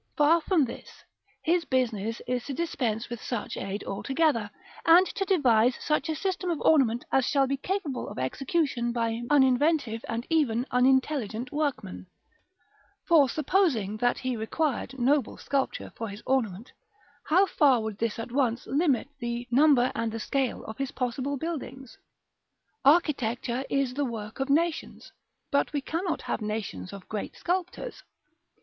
Far from this; his business is to dispense with such aid altogether, and to devise such a system of ornament as shall be capable of execution by uninventive and even unintelligent workmen; for supposing that he required noble sculpture for his ornament, how far would this at once limit the number and the scale of possible buildings? Architecture is the work of nations; but we cannot have nations of great sculptors.